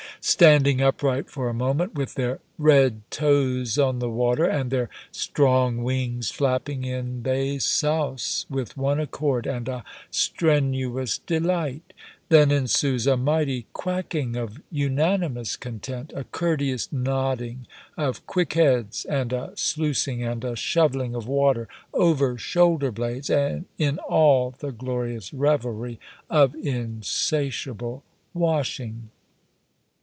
Standing upright for a moment, with their red toes on the water, and their strong wings flapping, in they souse with one accord and a strenuous delight. Then ensues a mighty quacking of unanimous content, a courteous nodding of quick heads, and a sluicing and a shovelling of water over shoulder blades, in all the glorious revelry of insatiable washing.